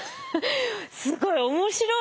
すごい面白い。